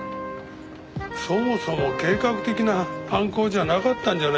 そもそも計画的な犯行じゃなかったんじゃないですかね？